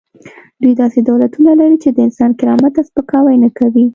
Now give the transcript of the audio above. دوی داسې دولتونه لري چې د انسان کرامت ته سپکاوی نه کوي.